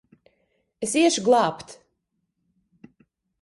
Es iešu glābt!